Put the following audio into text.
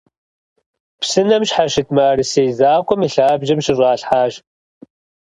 Псынэм щхьэщыт мыӀэрысей закъуэм и лъабжьэм щыщӀалъхьащ.